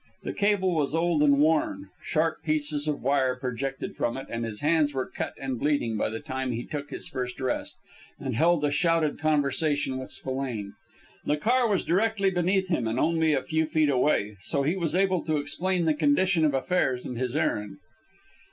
The cable was old and worn, sharp pieces of wire projected from it, and his hands were cut and bleeding by the time he took his first rest, and held a shouted conversation with Spillane. The car was directly beneath him and only a few feet away, so he was able to explain the condition of affairs and his errand.